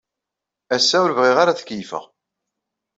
Ass-a, ur bɣiɣ ara ad keyyfeɣ.